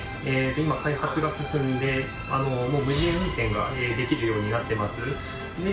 今開発が進んでもう無人運転ができるようになってます。